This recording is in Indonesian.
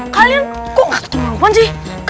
kalian kok gak ketemu akuan sih